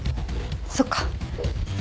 そっか。